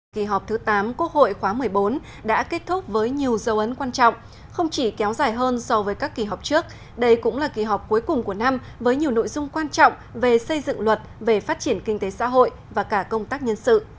kỳ họp thứ tám quốc hội khóa một mươi bốn đã kết thúc với nhiều dấu ấn quan trọng không chỉ kéo dài hơn so với các kỳ họp trước đây cũng là kỳ họp cuối cùng của năm với nhiều nội dung quan trọng về xây dựng luật về phát triển kinh tế xã hội và cả công tác nhân sự